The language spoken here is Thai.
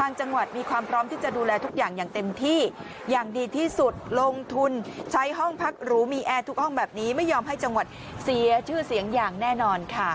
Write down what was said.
ทางจังหวัดมีความพร้อมที่จะดูแลทุกอย่างอย่างเต็มที่อย่างดีที่สุดลงทุนใช้ห้องพักหรูมีแอร์ทุกห้องแบบนี้ไม่ยอมให้จังหวัดเสียชื่อเสียงอย่างแน่นอนค่ะ